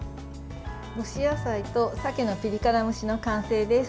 蒸し野菜と鮭のピリ辛蒸しの完成です。